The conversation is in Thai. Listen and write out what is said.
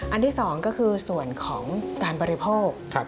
อันที่๒ก็คือส่วนของการบริโภค